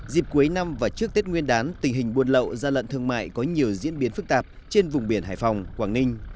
dịp cuối năm và trước tết nguyên đán tình hình buôn lậu gian lận thương mại có nhiều diễn biến phức tạp trên vùng biển hải phòng quảng ninh